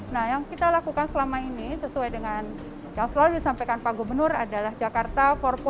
nah yang kita lakukan selama ini sesuai dengan yang selalu disampaikan pak gubernur adalah jakarta empat